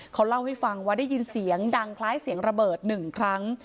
เขาเล่าให้ฟังว่าได้ยินเสียงดังคล้ายเสียงระเบิดหนึ่งครั้ง